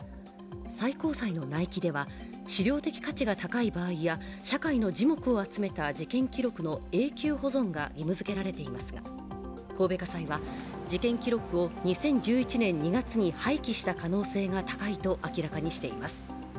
最高裁の内規では、史料的価値が高い場合や社会の耳目を集めた事件記録の永久保存が義務づけられていますが、神戸家裁は事件記録を２０１１年２月に廃棄した可能性が高いと明らかにしています。